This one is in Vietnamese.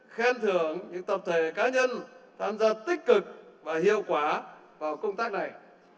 khen thưởng những tập thể cá nhân tham gia tích cực và hiệu quả vào công tác này